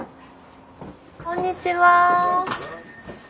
こんにちは。